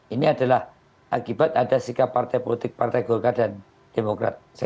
ini adalah akibat ada sikap partai politik partai golkar dan demokrat